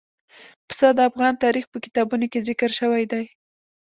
پسه د افغان تاریخ په کتابونو کې ذکر شوی دي.